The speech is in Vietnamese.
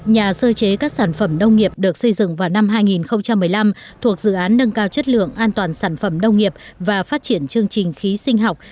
nhà sơ chế các sản phẩm nông nghiệp được xây dựng vào năm hai nghìn một mươi năm thuộc dự án nâng cao chất lượng an toàn sản phẩm nông nghiệp và phát triển chương trình khí sinh học